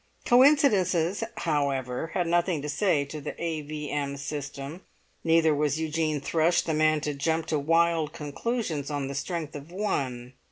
Coincidences, however, had nothing to say to the A. V. M. system, neither was Eugene Thrush the man to jump to wild conclusions on the strength of one.